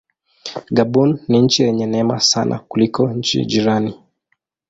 Gabon ni nchi yenye neema sana kuliko nchi jirani.